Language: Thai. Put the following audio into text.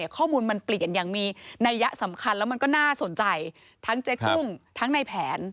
ข้อมูลมันเปลี่ยนอย่างมีนัยยะสำคัญแล้วมันก็น่าสนใจทั้งเจ๊กุ้งทั้งในแผน